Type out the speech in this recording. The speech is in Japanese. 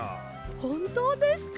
ほんとうですか！